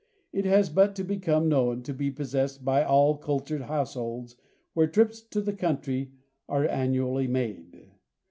It has but to become known to be possessed by all cultured households where trips to the country are annually made.